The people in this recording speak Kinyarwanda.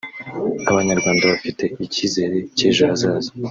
Abanyarwanda bafite icyizere cy’ejo hazaza